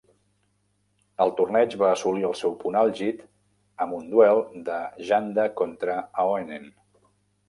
El torneig va assolir el seu punt àlgid amb un duel de Janda contra Ahonen.